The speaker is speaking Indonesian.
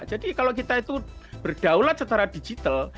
jadi kalau kita itu bergaulat secara digital